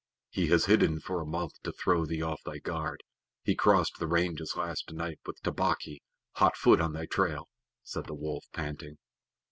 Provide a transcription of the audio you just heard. "He has hidden for a month to throw thee off thy guard. He crossed the ranges last night with Tabaqui, hot foot on thy trail," said the Wolf, panting.